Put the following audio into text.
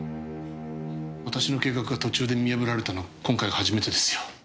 私の計画が途中で見破られたのは今回が初めてですよ。